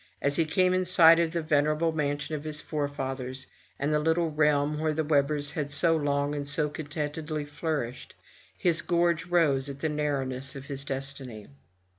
As he came in sight of the venerable mansion of his forefathers, and the little realm where the Webbers had so long, and so contentedly flourished, his gorge rose at the narrowness of his destiny.